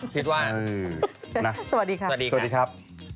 สวัสดีครับ